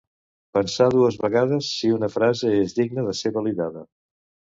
Pensar dues vegades si una frase és digna de ser validada